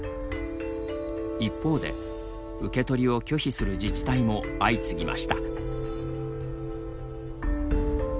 一方で、受け取りを拒否する自治体も相次ぎました。